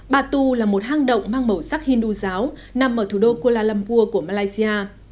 batu là một hang động mang màu sắc hindu giáo nằm ở thủ đô kuala lumua của malaysia